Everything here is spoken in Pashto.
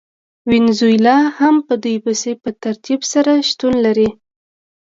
وینزویلا هم په دوی پسې په ترتیب سره شتون لري.